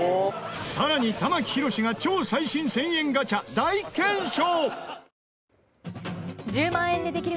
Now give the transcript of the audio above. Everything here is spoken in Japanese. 更に玉木宏が超最新１０００円ガチャ大検証